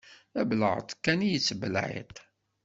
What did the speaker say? D abelεeṭ kan i yettbelεiṭ.